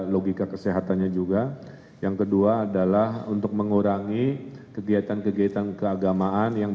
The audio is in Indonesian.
logika kesehatannya juga yang kedua adalah untuk mengurangi kegiatan kegiatan keagamaan yang